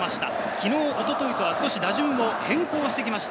昨日、一昨日とは少し打順を変更してきました。